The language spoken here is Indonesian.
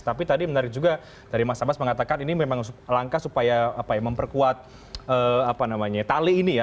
tapi tadi menarik juga dari mas abbas mengatakan ini memang langkah supaya memperkuat tali ini ya